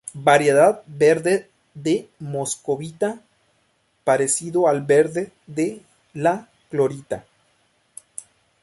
Variedad verde de moscovita, parecido al verde de la clorita.